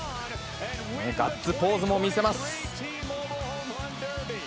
ガッツポーズも見せます。